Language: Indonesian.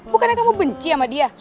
bukannya kamu benci sama dia